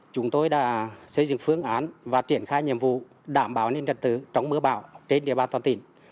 chúng tôi đã xây dựng phương án và triển khai nhiệm vụ đảm bảo nhân dân tứ trong mưa bão trên địa bàn toàn tỉnh